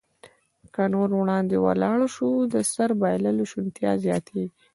که نور وړاندې ولاړ شو، د سر بایللو شونتیا زیاتېږي.